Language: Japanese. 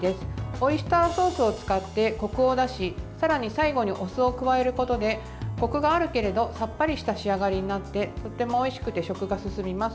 オイスターソースを使ってこくを出しさらに最後にお酢を加えることでこくがあるけれどさっぱりした仕上がりになってとてもおいしくて食が進みます。